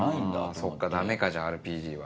そっかダメかじゃあＲＰＧは。